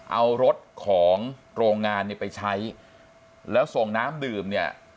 เอารถของโรงงานเนี่ยไปใช้แล้วส่งน้ำดื่มเนี่ย